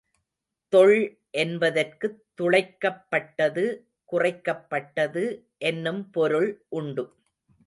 தொள் என்பதற்குத் துளைக்கப் பட்டது குறைக்கப் பட்டது என்னும் பொருள் உண்டு.